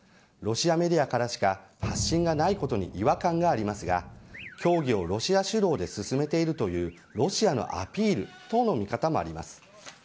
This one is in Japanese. ロシアメディアからしか発信がないことに違和感がありますが協議をロシア主導で進めているというロシアのアピールとの見方もあります。